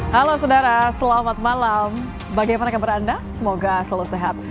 halo saudara selamat malam bagaimana kabar anda semoga selalu sehat